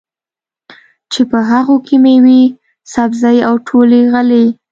چې په هغو کې مېوې، سبزۍ او ټولې غلې